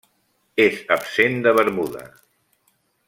És absent de Bermuda.